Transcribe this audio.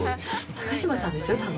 ◆高嶋さんですよ、多分。